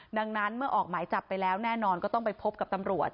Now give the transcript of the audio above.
ดังนั้นเมื่อออกหมายจับไปแล้วแน่นอนก็ต้องไปพบกับตำรวจ